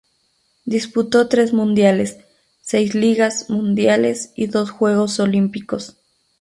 Disputó tres Mundiales, seis Ligas Mundiales y dos Juegos Olímpicos.